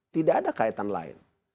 tidak ada kaitan lain